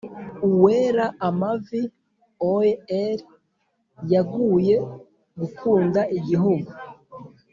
uwera amavi o'er yaguye gukunda igihugu.